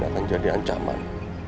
akan jadi ancaman